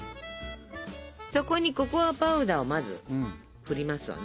そこにココアパウダーをまず振りますわな。